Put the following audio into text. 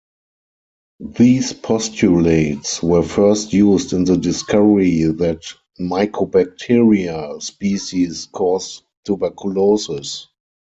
These postulates were first used in the discovery that Mycobacteria species cause tuberculosis.